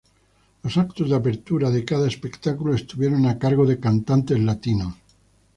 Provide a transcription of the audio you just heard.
Los actos de apertura de cada espectáculo estuvieron a cargo de cantantes latinos.